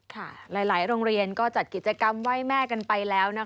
หลายโรงเรียนก็จัดกิจกรรมไหว้แม่กันไปแล้วนะคะ